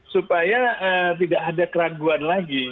supaya tidak ada keraguan lagi